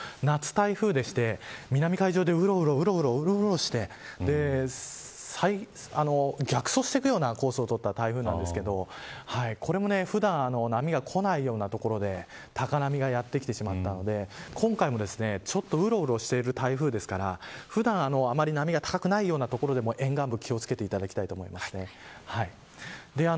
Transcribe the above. それが２０１８年に来た台風１２号というものなんですがこれも夏台風で南海上でうろうろして逆走していくようなコースを取った台風なんですけどこれも普段波がこないような所へ高波がやって来てしまったので今回も、ちょっとうろうろしている台風ですから普段あんまり波が高くないような所でも沿岸部は気を付けていただきたいと思います。